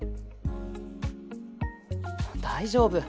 大丈夫！